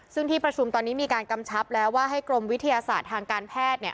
ซึ่งที่ประชุมตอนนี้มีการกำชับแล้วว่าให้กรมวิทยาศาสตร์ทางการแพทย์